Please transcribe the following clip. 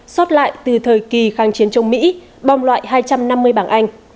xót lại từ thời kỳ kháng chiến chống mỹ bom loại hai trăm năm mươi bảng anh